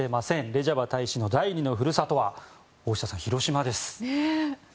レジャバ大使の第２の故郷は広島です。